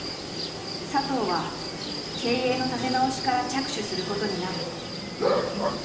佐藤は経営の立て直しから着手することになる。